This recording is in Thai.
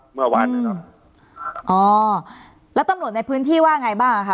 เมื่อวานนะครับอ๋อแล้วตำรวจในพื้นที่ว่าไงบ้างอ่ะคะ